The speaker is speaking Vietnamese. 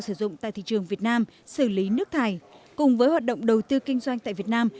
sử dụng tại thị trường việt nam xử lý nước thải cùng với hoạt động đầu tư kinh doanh tại việt nam